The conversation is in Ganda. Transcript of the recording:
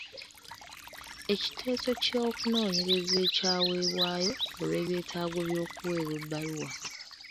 Ekiteeso ky'okunoonyereza ekyaweebwayo olw'ebyetaago by'okuweebwa ebbaluwa.